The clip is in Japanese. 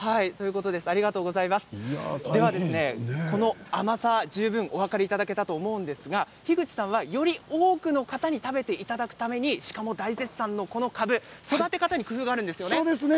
この甘さ十分お分かりいただけたと思うんですが樋口さんはより多くの方に食べていただくためにこのかぶ育て方に工夫があるんですよね。